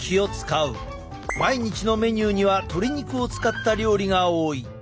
毎日のメニューには鶏肉を使った料理が多い。